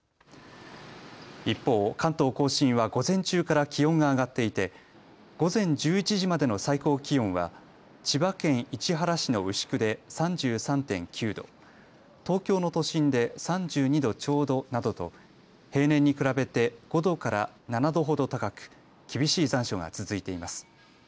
一方、関東甲信は午前中から気温が上がっていて午前１１時までの最高気温は千葉県市原市の牛久で３３．９度東京の都心で３２度ちょうどなどと平年に比べて５度から７度ほど高く厳しい残暑が続いています。